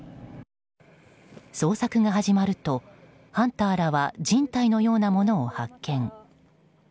捜索が始まるとハンターらは人体のようなものを発見。